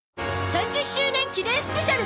３０周年記念スペシャル！